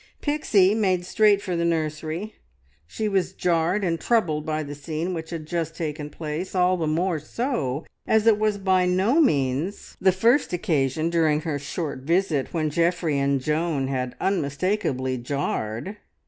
Pixie made straight for the nursery. She was jarred and troubled by the scene which had just taken place, all the more so as it was by no means the first occasion during her short visit when Geoffrey and Joan had unmistakably "jarred."